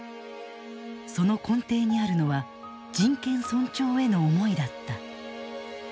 その根底にあるのは人権尊重への思いだった。